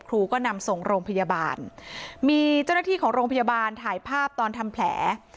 ครูก็นำส่งโรงพยาบาลมีเจ้าหน้าที่ของโรงพยาบาลถ่ายภาพตอนทำแผล